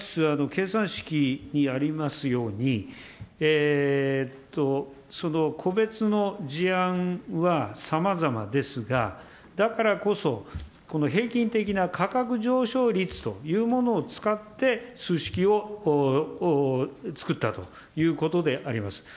計算式にありますように、その個別の事案はさまざまですが、だからこそ、この平均的な価格上昇率というものを使って、数式をつくったということであります。